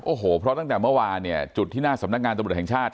โอ้โหเพราะตั้งแต่เมื่อวานเนี่ยจุดที่หน้าสำนักงานตำรวจแห่งชาติ